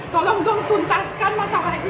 tolong dong tuntaskan masalah ini